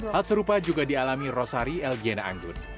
hal serupa juga dialami rosari elgiana anggun